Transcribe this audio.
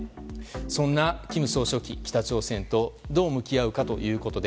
そんな金総書記北朝鮮とどう向き合うかということで